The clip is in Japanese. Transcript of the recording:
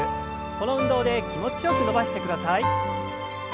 この運動で気持ちよく伸ばしてください。